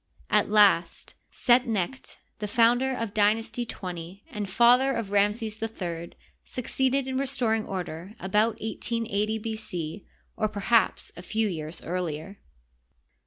At last Set necht, the founder of Dynasty XX and father of Ramses III, suc ceeded in restoring order about 11 80 B. C. or perhaps a few years earlier.